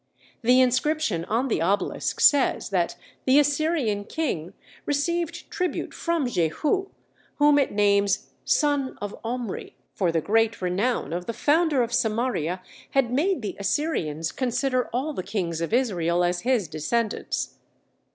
The inscription on the obelisk says that the Assyrian King received tribute from Jehu, whom it names "son of Omri," for the great renown of the founder of Samaria had made the Assyrians consider all the kings of Israel as his descendants.